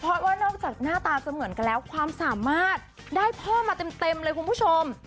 เพราะว่านอกจากหน้าตาจะเหมือนกันแล้วความสามารถได้พ่อมาเต็มเลยคุณผู้ชม